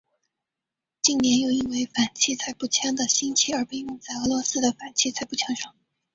近年又因为反器材步枪的兴起而被用在俄罗斯的反器材步枪上。